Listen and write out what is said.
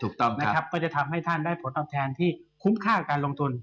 นะครับก็จะทำให้ท่านได้ผลตอบแทนที่คุ้มค่ากับการลงทุน